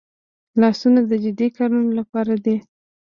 لاسونه د جدي کارونو لپاره دي